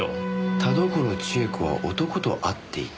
田所千枝子は男と会っていた？